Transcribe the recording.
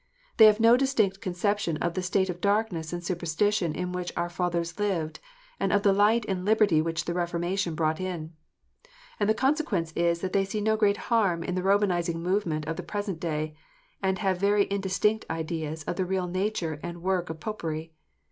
They have no distinct conception of the state of darkness and superstition in which our fathers lived, and of the light and liberty which the Reformation brought in. And the consequence is that they see no great harm in the Romanizing movement of the present day, and have very indistinct ideas of the real nature and work of Popery.